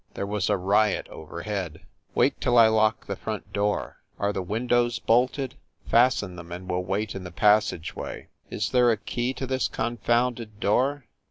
There was a riot overhead. "Wait till I lock the front door! Are the win dows bolted? Fasten them and we ll wait in the passage way. Is there a key to this confounded door